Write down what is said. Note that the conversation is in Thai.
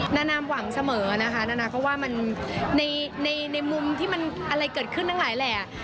นานามหวังเสมอนะคะนานาก็ว่ามันในมุมที่มันอะไรเกิดขึ้นทั้งหลายแหล่